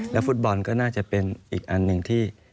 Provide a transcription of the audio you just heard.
ฟุตบอลก็น่าจะเป็นอีกอันหนึ่งที่